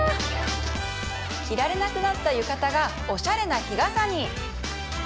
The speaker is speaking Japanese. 着られなくなった浴衣がおしゃれな日傘に